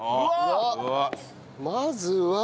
まずは。